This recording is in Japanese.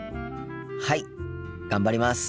はい頑張ります。